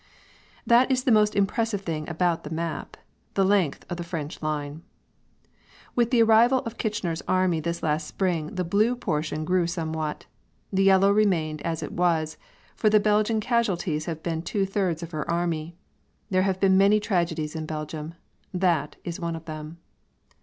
That is the most impressive thing about the map, the length of the French line. With the arrival of Kitchener's army this last spring the blue portion grew somewhat. The yellow remained as it was, for the Belgian casualties have been two thirds of her army. There have been many tragedies in Belgium. That is one of them.